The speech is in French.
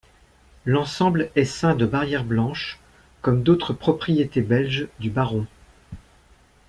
L'ensemble est ceint de barrières blanches comme d'autres propriétés belges du baron.